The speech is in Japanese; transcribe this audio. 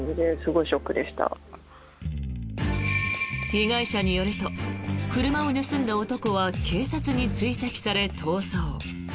被害者によると車を盗んだ男は警察に追跡され逃走。